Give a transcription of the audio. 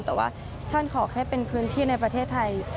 แต่ว่าท่านขอให้เป็นพื้นที่ในประเทศไทย